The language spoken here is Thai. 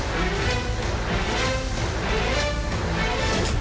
สวัสดีค่ะต้องรับคุณผู้ชมเข้าสู่ชูเวสตีศาสตร์หน้า